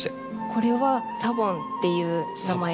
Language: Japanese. これは「サボン」っていう名前です。